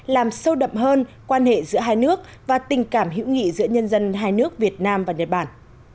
làm sâu đậm hơn quan hệ giữa hai nước và tình cảm hữu nghị giữa nhân dân hai nước việt nam và nhật bản